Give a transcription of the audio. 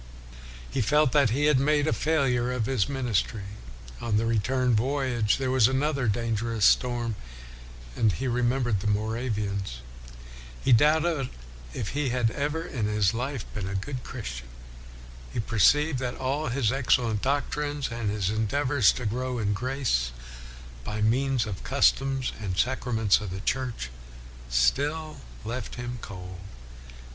He felt that he had made a failure of his ministry. On the return voyage there was another dangerous storm, and he remembered the Moravians. He doubted if he had ever in his life been a good Christian. He perceived that all his excellent doctrines, and his endeavors to grow in grace by means of the customs and sacraments of the Church, still left him cold.